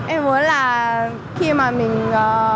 em hứa là khi mà mình